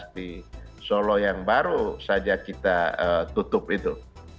di solo yang baru saja kita tutup itu